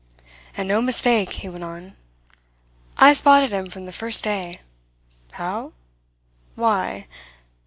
"And no mistake," he went on. "I spotted him from the first day. How? Why?